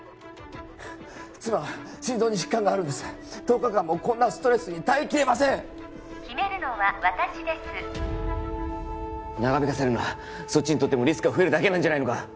妻は心臓に疾患があるんです１０日間もこんなストレスに耐えきれません決めるのは私です長引かせるのはそっちにとってもリスクが増えるだけなんじゃないのか？